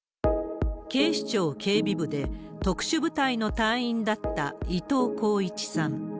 警視庁警備部で、特殊部隊の隊員だった伊藤鋼一さん。